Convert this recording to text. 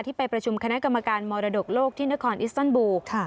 ไปประชุมคณะกรรมการมรดกโลกที่นครอิสตันบูล